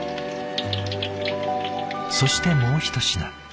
そしてもうひと品。